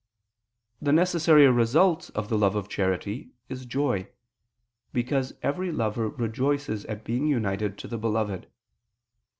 The necessary result of the love of charity is joy: because every lover rejoices at being united to the beloved.